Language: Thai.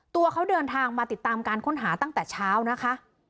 ตัวเขาเดินทางมาติดตามการค้นหาตั้งแต่เช้านะคะ